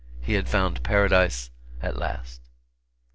He had found paradise at last.